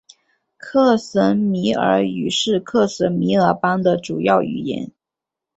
克什米尔语是克什米尔邦的主要语言。